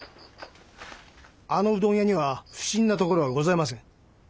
あのうどん屋には不審なところはございません。